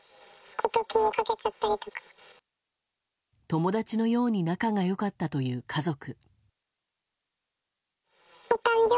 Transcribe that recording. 友達のように仲が良かったという家族。